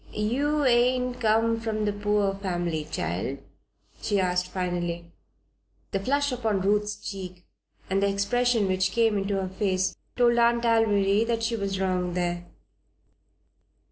"You ain't come from the poor farm, child?" she asked, finally. The flush upon Ruth's cheek and the expression which came into her face told Aunt Alviry that she was wrong there.